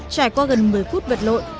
trải qua gần một mươi phút vật lội